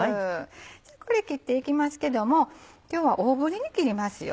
じゃあこれ切っていきますけども今日は大ぶりに切りますよ。